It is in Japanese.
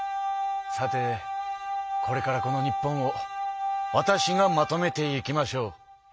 さてこれからこの日本をわたしがまとめていきましょう。